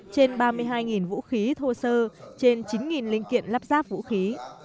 trên ba mươi hai vũ khí thô sơ trên chín linh kiện lắp ráp vũ khí